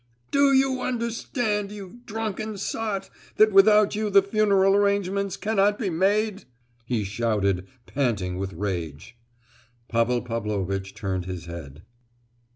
"Do you understand, you drunken sot, that without you the funeral arrangements cannot be made?" he shouted, panting with rage. Pavel Pavlovitch turned his head.